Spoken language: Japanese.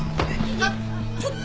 えっ？